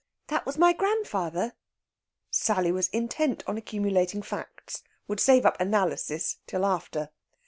"That was my grandfather?" Sally was intent on accumulating facts would save up analysis till after.